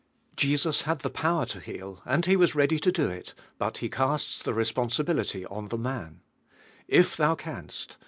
Jesus had the power to beal and He was ready to do it, but He casts the t'g s.pon.sihi| i ^ T on the man. "If thou canst.